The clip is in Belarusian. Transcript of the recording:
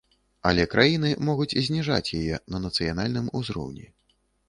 Але краіны могуць зніжаць яе на нацыянальным узроўні.